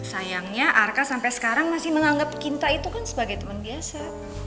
sayangnya arka sampai sekarang masih menganggap cinta itu kan sebagai teman biasa